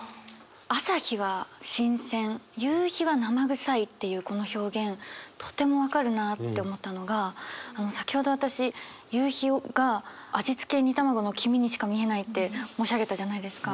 「朝日は新鮮夕日はなまぐさい」っていうこの表現とても分かるなって思ったのが先ほど私夕日が味付け煮卵の黄身にしか見えないって申し上げたじゃないですか。